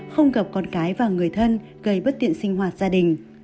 không gặp con cái và người thân gây bất tiện sinh hoạt gia đình